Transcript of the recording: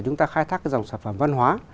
chúng ta khai thác dòng sản phẩm văn hóa